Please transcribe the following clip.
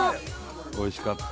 おいしかった。